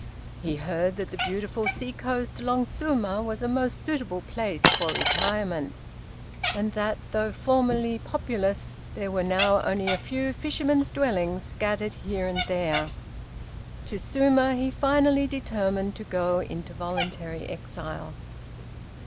He heard that the beautiful sea coast along Suma was a most suitable place for retirement, and that, though formerly populous, there were now only a few fishermen's dwellings scattered here and there. To Suma he finally determined to go into voluntary exile.